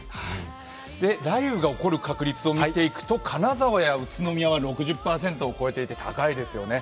雷雨が起こる確率を見ていくと金沢や宇都宮は６０％を超えていて高いですよね